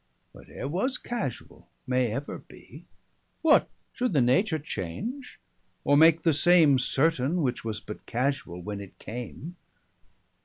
What e'r was casuall, may ever bee. What should the nature change? Or make the same Certaine, which was but casuall, when it came?